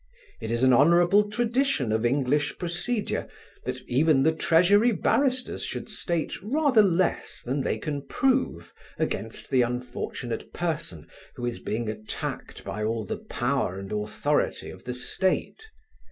It is an honourable tradition of English procedure that even the Treasury barristers should state rather less than they can prove against the unfortunate person who is being attacked by all the power and authority of the State.